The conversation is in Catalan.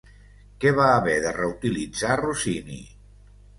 Què va haver de reutilitzar Rossini?